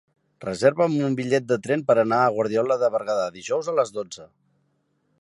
Reserva'm un bitllet de tren per anar a Guardiola de Berguedà dijous a les dotze.